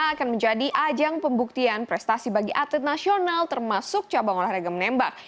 akan menjadi ajang pembuktian prestasi bagi atlet nasional termasuk cabang olahraga menembak